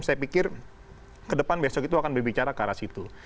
saya pikir ke depan besok itu akan berbicara ke arah situ